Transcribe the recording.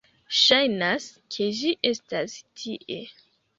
Ŝajnas, ke ĝi estas tie